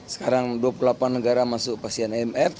sekarang dua puluh delapan negara masuk pasien imf